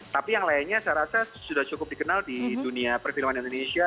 tapi yang lainnya saya rasa sudah cukup dikenal di dunia perfilman indonesia